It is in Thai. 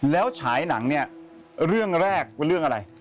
แล้วฉายหนังเนี่ยเรื่องแรกเป็นเรื่องอะไร